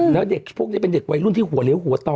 แล้วเด็กพวกนี้เป็นเด็กวัยรุ่นที่หัวเลี้ยหัวต่อ